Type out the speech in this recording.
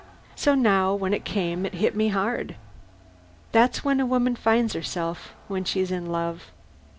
So now when it came, it hit me hard. That's when a woman finds herself when she's in love.